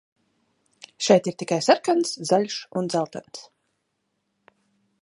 Šeit ir tikai sarkans, zaļš un dzeltens.